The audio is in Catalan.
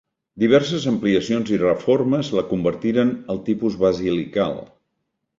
Diverses ampliacions i reformes la convertiren al tipus basilical.